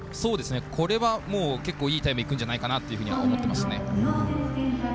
これは結構いいタイムいくんじゃないかなと思っていますね。